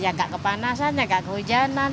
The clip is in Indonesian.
nggak kepanasan nggak kehujanan